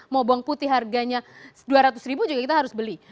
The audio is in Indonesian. mau bawang putih harganya rp dua ratus ribu juga kita harus beli